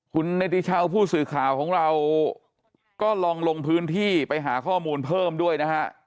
คุณเนติชาวผู้สื่อข่าวของเราก็ลองลงพื้นที่ไปหาข้อมูลเพิ่มด้วยนะฮะ